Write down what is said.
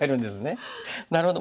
なるほど。